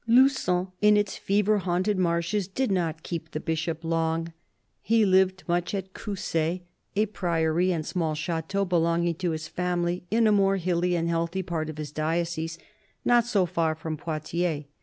Lu9on in its fever haunted marshes did not keep the Bishop long. He lived much at Coussay, a priory and small chateau belonging to his family, in a more hilly and healthy part of his diocese not so far from Poitiers.